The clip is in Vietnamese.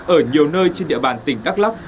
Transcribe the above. ở nhiều nơi trên địa bàn tỉnh đắk lắk